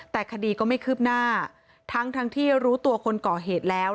แต่คดีก็ไม่คืบหน้าทั้งที่รู้ตัวคนก่อเหตุแล้ว